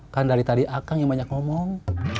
kan dari tadi ah kang yang banyak ngomong